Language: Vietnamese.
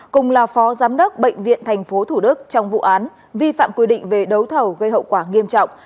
cùng là phó giám đốc bệnh viện tp thủ đức trong vụ án vi phạm quy định về đấu thầu gây hậu quả nghiêm trọng